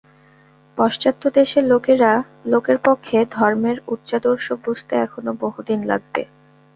পাশ্চাত্যদেশের লোকের পক্ষে ধর্মের উচ্চাদর্শ বুঝতে এখনও বহুদিন লাগবে।